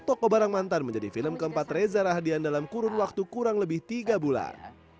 toko barang mantan menjadi film keempat reza rahadian dalam kurun waktu kurang lebih tiga bulan